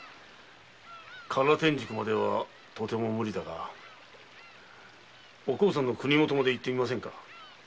唐天竺まではとても無理だがお幸さんの国元まで行ってみませんか。